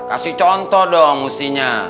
kasih contoh dong mustinya